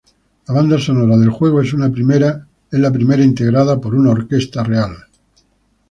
La banda sonora del juego es la primera integrada por una orquesta real.